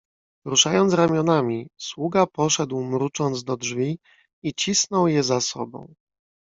"Ruszając ramionami, sługa poszedł mrucząc do drzwi i cisnął je za sobą."